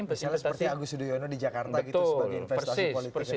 misalnya seperti agus yudhoyono di jakarta gitu sebagai investasi politik indonesia